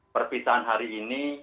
perpisahan hari ini